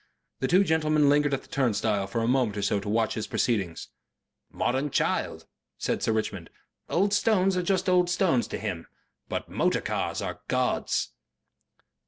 The two gentlemen lingered at the turnstile for a moment or so to watch his proceedings. "Modern child," said Sir Richmond. "Old stones are just old stones to him. But motor cars are gods."